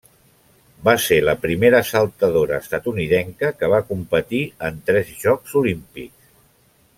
Va ser la primera saltadora estatunidenca que va competir en tres Jocs Olímpics.